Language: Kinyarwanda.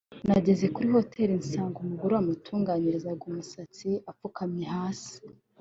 “Nageze kuri Hoteli nsanga umugore wamutunganyirizaga imisatsi apfukamye hasi